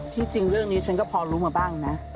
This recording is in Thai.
จริงเรื่องนี้ฉันก็พอรู้มาบ้างนะ